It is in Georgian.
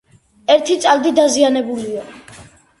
ერთი წალდი დაზიანებულია.